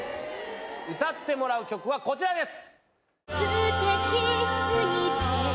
歌ってもらう曲はこちらです。